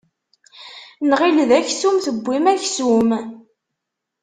Nɣil d aksum tewwim aksum.